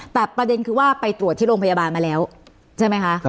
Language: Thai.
แต่ประเด็นคือว่าไปตรวจที่โรงพยาบาลมาแล้วใช่ไหมคะ